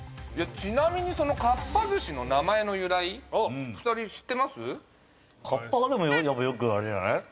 ちなみにかっぱ寿司の名前の由来２人知ってます？